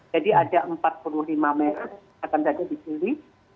jadi ada empat puluh lima merek yang akan jadi di sini